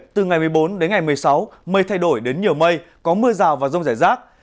từ ngày một mươi bốn đến ngày một mươi sáu mây thay đổi đến nhiều mây có mưa rào và rông rải rác